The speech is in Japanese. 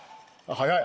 早い。